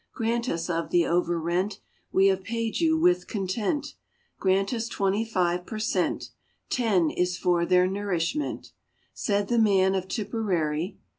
Grant us of the over rent We have paid you with content, Grant us twenty five per cent. — Ten is for their nourishment," Said the man of Tipperary.